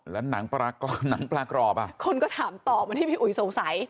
แล้วหนังปลากรอบหนังปลากรอบอ่ะคนก็ถามตอบเหมือนที่พี่อุ๋ยสงสัย